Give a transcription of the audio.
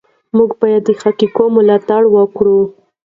موږ باید د حقایقو ملاتړ وکړو.